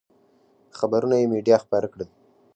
خبرونه یې مېډیا خپاره کړل.